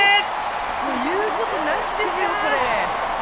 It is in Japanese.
言うことなしですよこれ！